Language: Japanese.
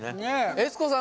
悦子さん